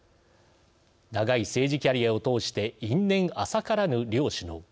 長い政治キャリアを通して因縁浅からぬ両首脳。